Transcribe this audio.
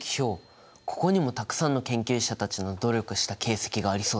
ここにもたくさんの研究者たちの努力した形跡がありそうだね。